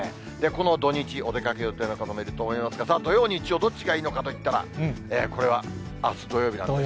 この土日、お出かけ予定の方もいると思いますが、さあ、土曜、日曜、どっちがいいのかといったら、これはあす土曜日なんです。